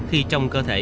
khi trong cơ thể